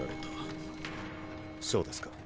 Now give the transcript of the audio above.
そうですか。